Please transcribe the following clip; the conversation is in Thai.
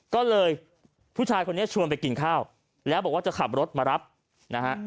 ก็เลยผู้ชายคนนี้ชวนไปกินข้าวแล้วบอกว่าจะขับรถมารับนะฮะ